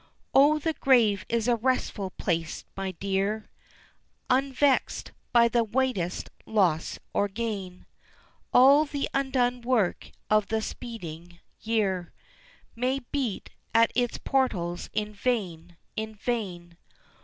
O the grave is a restful place, my dear, Unvext by the weightiest loss or gain, All the undone work of the speeding year May beat at its portals in vain, in vain.